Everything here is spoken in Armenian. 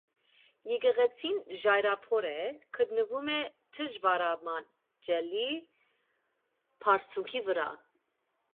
Եկեղեցին ժայռափոր է, գտնվում է դժվարամատչելի բարձունքի վրա։